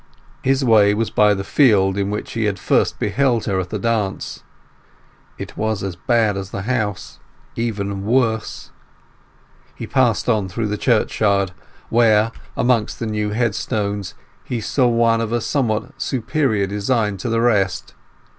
His way was by the field in which he had first beheld her at the dance. It was as bad as the house—even worse. He passed on through the churchyard, where, amongst the new headstones, he saw one of a somewhat superior design to the rest.